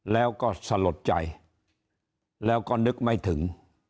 แล้วก็สลดใจแล้วก็นึกไม่ถึง